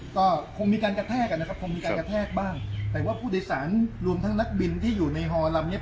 ก็คงมีการกระแทกกันนะครับคงมีการกระแทกบ้างแต่ว่าผู้โดยสารรวมทั้งนักบินที่อยู่ในฮอลำเนี้ย